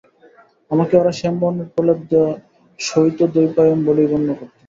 আমাকে ওরা শ্যামবর্ণের প্রলেপ দেওয়া শ্বেতদ্বৈপায়ন বলেই গণ্য করত।